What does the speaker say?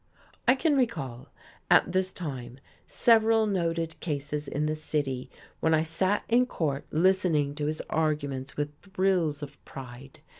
I can recall, at this time, several noted cases in the city when I sat in court listening to his arguments with thrills of pride.